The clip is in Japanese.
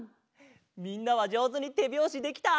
みんなはじょうずにてびょうしできた？